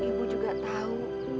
ibu juga tahu